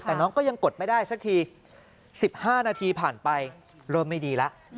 แต่น้องก็ยังกดไม่ได้สักที๑๕นาทีผ่านไปเริ่มไม่ดีแล้ว